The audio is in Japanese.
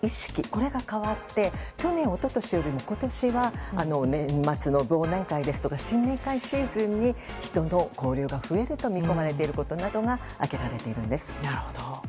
これが変わって去年、一昨年よりも今年は年末の忘年会ですとか新年会シーズンに人の交流が増えることが見込まれていることが挙げられているんです。